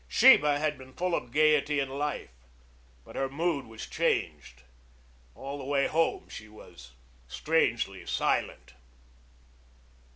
Sheba had been full of gayety and life, but her mood was changed. All the way home she was strangely silent.